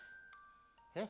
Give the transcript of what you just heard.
えっ？